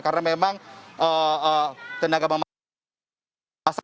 karena memang tenaga memasak